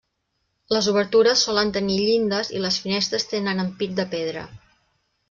Les obertures solen tenir llindes i les finestres tenen ampit de pedra.